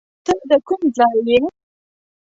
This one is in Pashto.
ته د کوم ځای یې؟